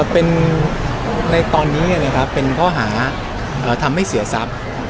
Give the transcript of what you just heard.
เป็นในตอนนี้นะครับเป็นข้อหาทำให้เสียทรัพย์